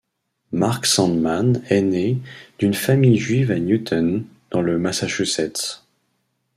Mark Sandman est né d'une famille juive à Newton, dans le Massachusetts.